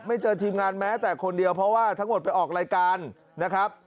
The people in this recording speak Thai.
เจอทีมงานแม้แต่คนเดียวเพราะว่าทั้งหมดไปออกรายการนะครับ